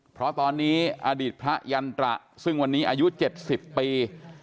เพราะตอนนี้อดีตพระยันตระซึ่งวันนี้อายุ๗๐ปี